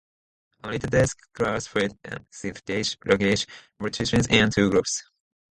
Amrita Das classified Sylheti language variations in two groups.